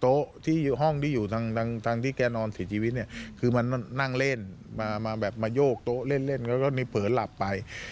โต๊ะที่ห้องที่อยู่ทางที่แกนอนเสียชีวิตเนี่ยคือมันนั่งเล่นมาแบบมาโยกโต๊ะเล่นเล่นแล้วก็มีเผลอหลับไป